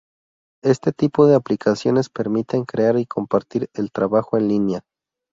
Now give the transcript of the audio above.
Este tipo de aplicaciones permiten crear y compartir el trabajo en línea.